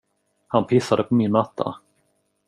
Han pissade på min matta.